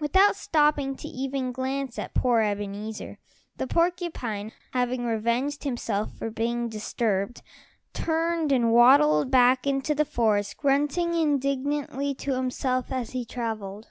Without stopping to even glance at poor Ebenezer, the porcupine, having revenged himself for being disturbed, turned and waddled back into the forest, grunting indignantly to himself as he traveled.